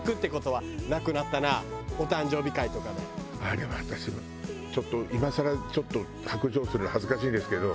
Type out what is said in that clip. でも私ちょっと今更ちょっと白状するの恥ずかしいんですけど。